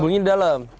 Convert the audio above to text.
bulunya di dalam